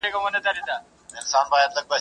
o له ژرندي زه راځم، غوږونه ستا سپېره دي.